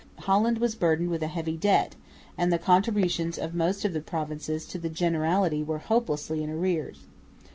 Holland was burdened with a heavy debt; and the contributions of most of the provinces to the Generality were hopelessly in arrears.